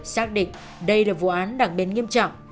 xác định đây là vụ án đặc biệt nghiêm trọng